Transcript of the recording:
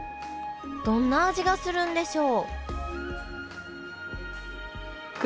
どんな味がするんでしょう？